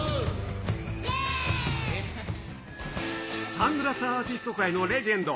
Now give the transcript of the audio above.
サングラスアーティスト界のレジェンド。